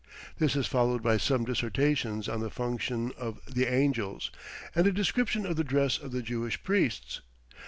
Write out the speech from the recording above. This is followed by some dissertations on the function of the angels, and a description of the dress of the Jewish Priests.